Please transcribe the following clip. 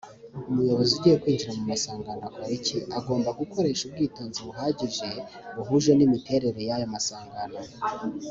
umuyobozi ugiye kwinjira numusangano akora iki? agomba gukoresha ubwitonzi buhagije buhuje nimiterere yayo masangano